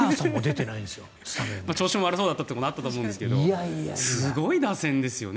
調子が悪そうだったというのはあったと思いますがすごい打線ですよね。